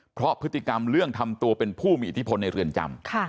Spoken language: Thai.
เพราะพฤติกรรมเรื่องทำตัวเป็นผู้มีอิทธิพลในเรือนจำ